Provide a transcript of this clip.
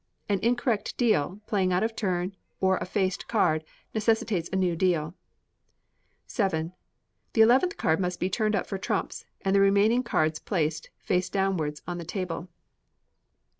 An incorrect deal, playing out of turn, or a faced card, necessitates a new deal. vii. The eleventh card must be turned up for trumps; and the remaining cards placed, face downwards, on the table.